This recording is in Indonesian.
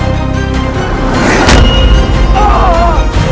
aku harus membantu